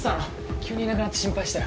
急にいなくなって心配したよ